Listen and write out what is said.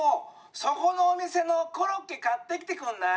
そこのお店のコロッケ買ってきてくんない？